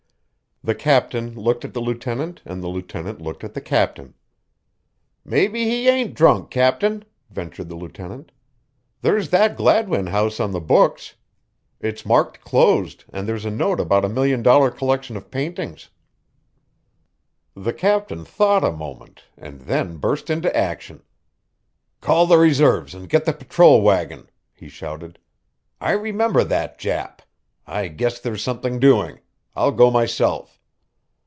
The captain looked at the lieutenant and the lieutenant looked at the captain. "Maybe he ain't drunk, Captain," ventured the lieutenant. "There's that Gladwin house on the books. It's marked closed and there's a note about a million dollar collection of paintings." The captain thought a moment and then burst into action: "Call the reserves and get the patrol wagon," he shouted. "I remember that Jap. I guess there's something doing. I'll go myself."